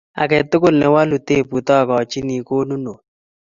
Ake tukul ne wolu tebut akochini konunot